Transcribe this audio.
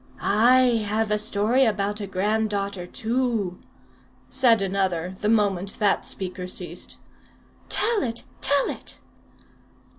"I have a story about a granddaughter, too," said another, the moment that speaker ceased. "Tell it. Tell it."